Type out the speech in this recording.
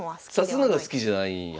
指すのが好きじゃないんや。